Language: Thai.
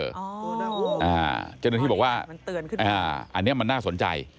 เจ้าหน้าที่บอกว่าอันนี้มันน่าสนใจ